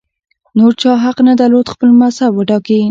نور چا حق نه درلود خپل مذهب وټاکي